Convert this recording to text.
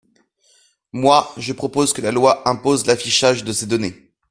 Moi, je propose que la loi impose l’affichage de ces données.